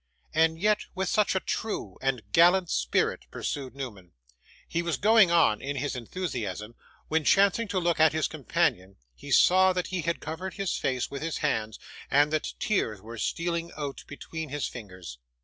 'And yet with such a true and gallant spirit,' pursued Newman. He was going on, in his enthusiasm, when, chancing to look at his companion, he saw that he had covered his face with his hands, and that tears were stealing out between his fingers.